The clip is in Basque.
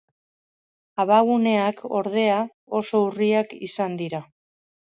Abaguneak, ordea, oso urriak izan dira.